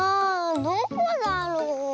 どこだろう？